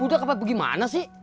budak apa gimana sih